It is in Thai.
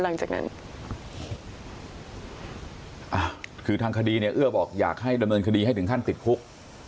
หลังจากนั้นอ่ะคือทางคดีเนี่ยเอื้อบอกอยากให้ดำเนินคดีให้ถึงขั้นติดคุก